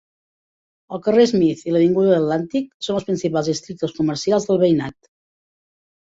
El carrer Smith i l'avinguda Atlantic son els principals districtes comercials del veïnat.